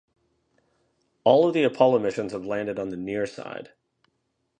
All of the Apollo missions have landed on the near side.